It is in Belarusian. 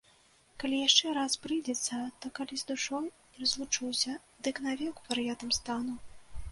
Калі яшчэ раз прыйдзецца, то, калі з душой не разлучуся, дык навек вар'ятам стану.